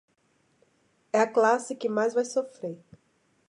É a classe que mais vai sofrer.